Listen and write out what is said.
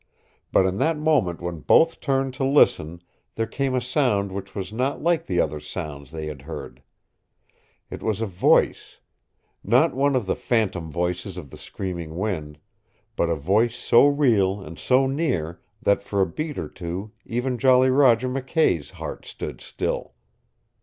But in that moment when both turned to listen there came a sound which was not like the other sounds they had heard. It was a voice not one of the phantom voices of the screaming wind, but a voice so real and so near that for a beat or two even Jolly Roger McKay's heart stood still.